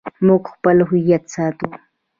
موږ خپل هویت ساتو